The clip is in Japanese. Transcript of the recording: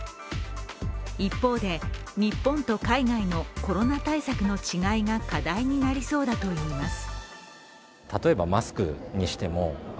一方で、日本と海外のコロナ対策の違いが課題になりそうだといいます。